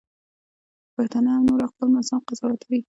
پښتانه هم نور اقوام ناسم قضاوتوي.